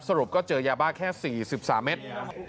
รุปก็เจอยาบ้าแค่๔๓เมตร